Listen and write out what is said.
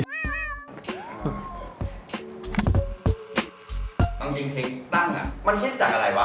จริงเทคตั้งอ่ะมันคิดจากอะไรวะ